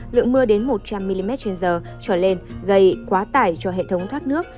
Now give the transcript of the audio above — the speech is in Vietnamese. lượng mưa đến một trăm linh mm trên giờ trở lên gây quá tải cho hệ thống thoát nước